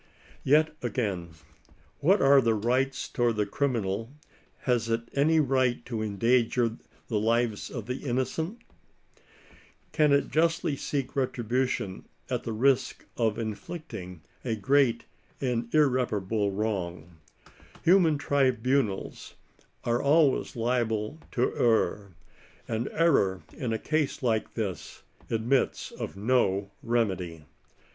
Yet again. Whatever are its rights toward the criminal^ has it any right to endanger the lives of the innocent ? Can it justly seek retribution at the risk of inflicting a great and irre parable wrong ? Human tribunals are always liable to err, and error in a case like this admits of no remedy.